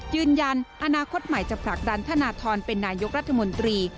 ยืนยันอนาคตใหม่จะผลักดันธนทรเป็นนายกรัฐมนตรี